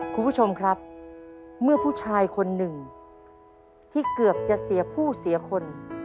คุณผู้ชมครับเมื่อผู้ชายคนหนึ่งที่เกือบจะเสียผู้เสียคน